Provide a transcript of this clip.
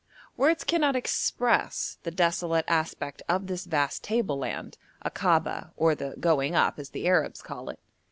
Words cannot express the desolate aspect of this vast table land, Akaba or the 'going up,' as the Arabs call it.